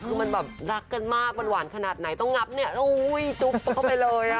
คือมันแบบรักกันมากมันหวานขนาดไหนต้องงับเนี่ยจุ๊บเข้าไปเลย